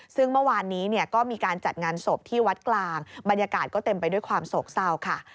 ซึ่งเมื่อวานนี้เนี่ยก็มีการจัดงานศพที่วัดกลางบรรยากาศก็เต็มไปด้วยความโศกเศร้าค่ะ